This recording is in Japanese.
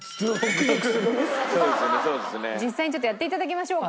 実際にちょっとやって頂きましょうか。